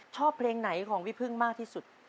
ชอบเพลงไหนของพี่พึ่งมากที่สุด